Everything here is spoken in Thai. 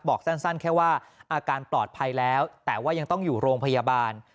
บอกสั้นแค่ว่าอาการปลอดภัยแล้วแต่ว่ายังต้องอยู่โรงพยาบาล